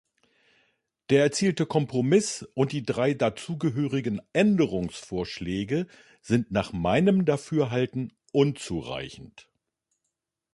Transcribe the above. Der erzielte Kompromiss und die drei dazugehörigen Änderungsvorschläge sind nach meinem Dafürhalten unzureichend.